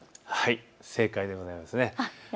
正解でございます。